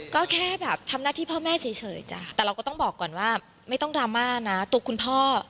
ก็แค่แบบทำหน้าที่พ่อแม่เฉยจ้ะแต่เราก็ต้องบอกก่อนว่าไม่ต้องดราม่านะตัวคุณพ่อ